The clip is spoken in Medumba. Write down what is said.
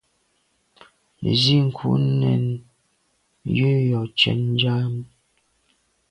Nə nzìkuʼ nɛ̂n jə yò cwɛ̌d nja αm.